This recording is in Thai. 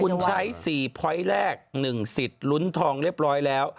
คุณใช้๔พอยต์แรก๑สิทธิ์ลุ้นทองเรียบร้อยแล้ว